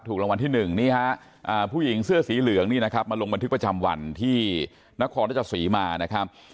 รางวัลที่๑นี่ฮะผู้หญิงเสื้อสีเหลืองนี่นะครับมาลงบันทึกประจำวันที่นครรัชศรีมานะครับ